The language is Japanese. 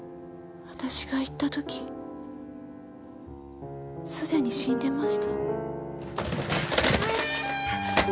私が行った時すでに死んでました。